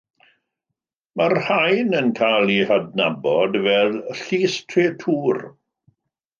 Mae'r rhain yn cael eu hadnabod fel Llys Tretŵr.